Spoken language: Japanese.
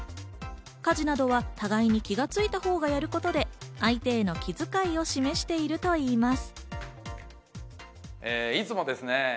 家事などは互いに気が付いたほうがやることで、相手への気づかいを示しているといいます。